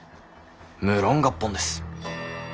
無論合本です。